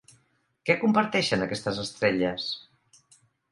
Què comparteixen aquestes estrelles?